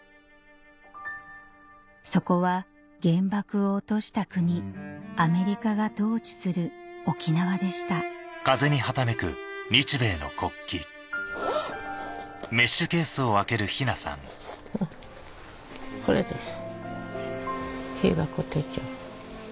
そこは原爆を落とした国アメリカが統治する沖縄でしたこれです被爆手帳。